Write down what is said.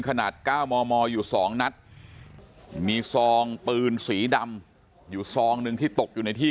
ขนาด๙มมอยู่๒นัดมีซองปืนสีดำอยู่ซองหนึ่งที่ตกอยู่ในที่